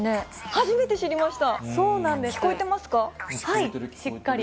初めて知りました。